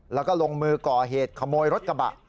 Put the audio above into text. แล้วก็ลงมือก่อเหตุขโมยรถกระบะ